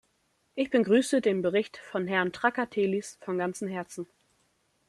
Ich begrüße den Bericht von Herrn Trakatellis von ganzem Herzen.